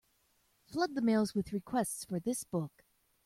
Flood the mails with requests for this book.